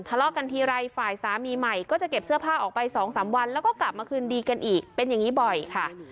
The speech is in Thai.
ทะเลาะกันทีไรฝ่ายสามีใหม่ก็จะเก็บเสื้อผ้าออกไปสองสามวันแล้วก็กลับมาคืนดีกันอีกเป็นอย่างนี้บ่อยค่ะ